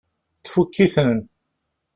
Tfukk-iten?